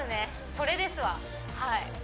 それです